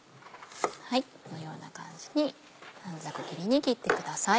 このような感じに短冊切りに切ってください。